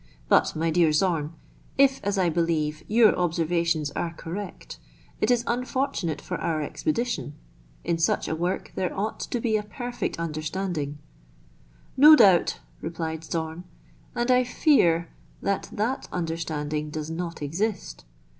But, my dear Zorn, if, as I believe, your observations are correct, it is unfortunate for our expedition : in such a work there ought to be a perfect understanding." "No doubt," replied Zorn, "and I fear that that under standing does not exist.